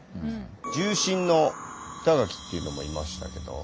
重臣の板垣っていうのもいましたけど。